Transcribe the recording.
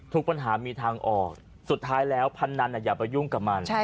ทุกปัญหามีทางออกสุดท้ายแล้วพนันอย่าไปยุ่งกับมัน